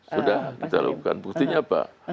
sudah kita lakukan buktinya apa